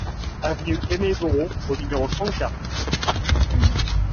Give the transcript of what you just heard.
Avenue Aimé Bourreau au numéro trente-quatre